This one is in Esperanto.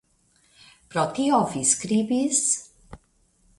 Pro tio vi skribis?